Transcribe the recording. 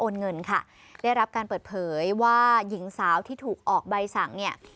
เงินค่ะได้รับการเปิดเผยว่าหญิงสาวที่ถูกออกใบสั่งเนี่ย